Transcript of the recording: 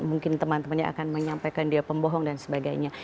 mungkin teman temannya akan menyampaikan dia pembohong dan sebagainya